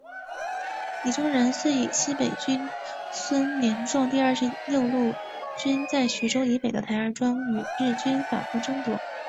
李宗仁遂以西北军孙连仲第二十六路军在徐州以北的台儿庄与日军反复争夺。